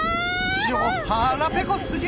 ちょっ腹ぺこすぎ！